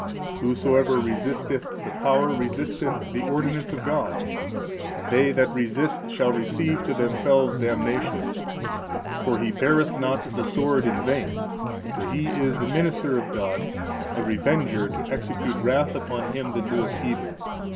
Whosoever resisteth the power resisteth the ordinance of God; and they that resist shall receive to themselves damnation. For he beareth not the sword in vain; for he is the minister of God, a revenger to execute wrath upon him that doeth evil.